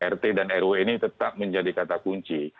rt dan rw ini tetap menjadi kata kunci